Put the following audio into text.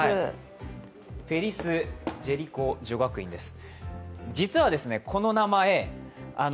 フェリス・ジェリコ女学院です。